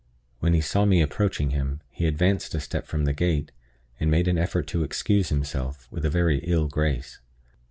When he saw me approaching him, he advanced a step from the gate, and made an effort to excuse himself, with a very ill grace.